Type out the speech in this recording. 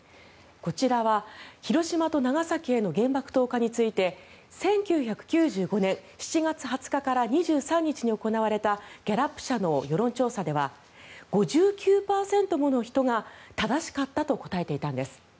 こちらは広島と長崎への原爆投下について１９９５年７月２０日から２３日に行われたギャラップ社の世論調査では５９％もの人が正しかったと答えていたんです。